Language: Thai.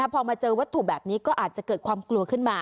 พอมาเจอวัตถุแบบนี้ก็อาจจะเกิดความกลัวขึ้นมา